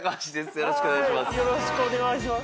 よろしくお願いします